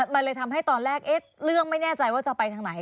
มันเลยทำให้ตอนแรกเรื่องไม่แน่ใจว่าจะไปทางไหน